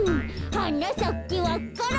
「はなさけわか蘭」